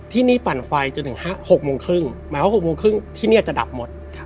ที่นี่ปั่นไฟจนถึงห้าหกโมงครึ่งหมายความว่าหกโมงครึ่งที่เนี้ยจะดับหมดครับ